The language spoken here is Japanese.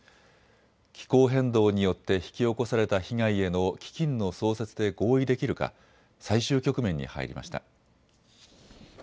気候変動によって引き起こされた被害への基金の創設で合意できるか最終局面に入りました。